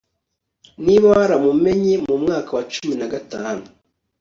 niba waramumenye mu mwaka wa cumi na gatanu